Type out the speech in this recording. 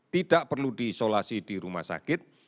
tidak perlu diisolasi di rumah sakit